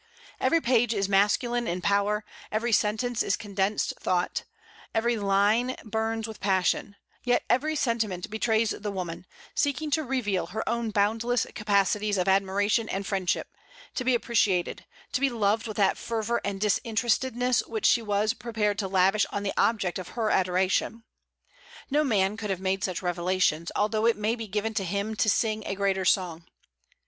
Every page is masculine in power, every sentence is condensed thought, every line burns with passion; yet every sentiment betrays the woman, seeking to reveal her own boundless capacities of admiration and friendship, to be appreciated, to be loved with that fervor and disinterestedness which she was prepared to lavish on the object of her adoration. No man could have made such revelations, although it may be given to him to sing a greater song.